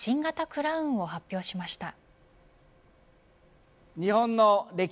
クラウンを発表しました。